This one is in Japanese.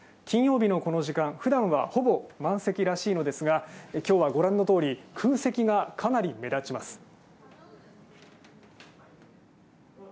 金曜日のこの時間、ふだんはほぼ満席らしいのですがきょうはご覧のとおり、空席がかなり目立ちます。